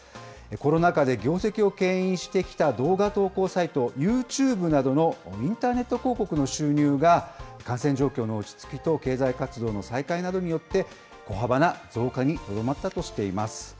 コロナ禍で業績をけん引してきた動画投稿サイト、ユーチューブなどのインターネット広告の収入が感染状況の落ち着きと経済活動の再開などによって、小幅な増加にとどまったとしています。